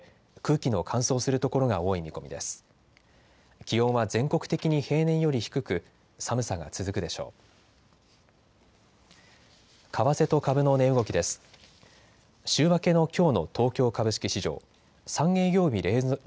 気温は全国的的に平年より低く寒さが続くでしょう。